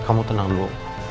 kamu tenang dulu